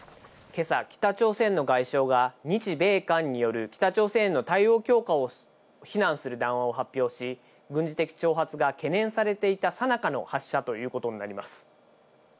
今朝、北朝鮮の外相が日米韓による北朝鮮への対応強化を非難する談話を発表し、軍事的挑発が懸念されていたさなかの発射ということになります。